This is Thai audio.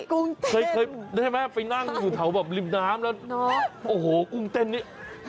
กรุงเต้นได้ไหมไปนั่งอยู่เถาแบบริมน้ำแล้วเนาะโอ้โหกรุงเต้นนี่